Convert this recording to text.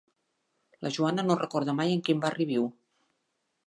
La Joana no recorda mai en quin barri viu.